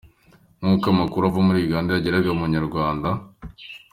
Nkuko amakuru ava muri Uganda yageraga ku Inyarwanda.